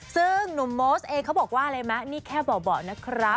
ซึ่งหนุ่มโมสเองเขาบอกว่าอะไรมั้ยนี่แค่เบาะนะครับ